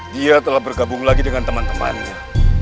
dia telah bergabung lagi dengan teman temannya